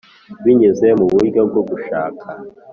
binyuze mu buryo bwo gushaka